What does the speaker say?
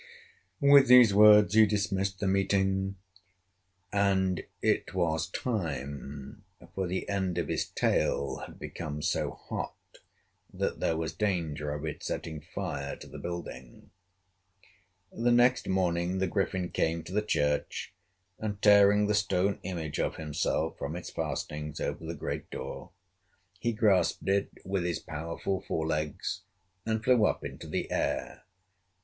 With these words he dismissed the meeting, and it was time, for the end of his tail had become so hot that there was danger of its setting fire to the building. The next morning, the Griffin came to the church, and tearing the stone image of himself from its fastenings over the great door, he grasped it with his powerful fore legs and flew up into the air.